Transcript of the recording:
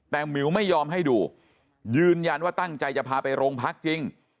แต่หมิวไม่ยอมให้ดูยืนยันว่าตั้งใจจะพาไปโรงพักจริง